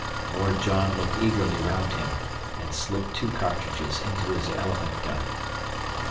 Lord John looked eagerly round him and slipped two cartridges into his elephant gun.